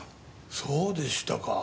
そうでしたか。